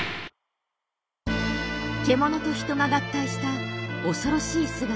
獣と人が合体した恐ろしい姿のダンターグ。